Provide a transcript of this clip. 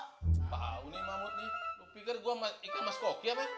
tau nih mammuth nih lu pikir gua ikan mas koki apa